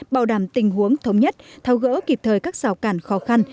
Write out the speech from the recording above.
bảo đảm tình huống thống nhất thao gỡ kịp thời các xào cản khó khăn